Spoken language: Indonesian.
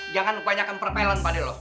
jangan banyakkan perpelan bade